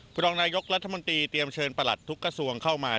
รองนายกรัฐมนตรีเตรียมเชิญประหลัดทุกกระทรวงเข้ามา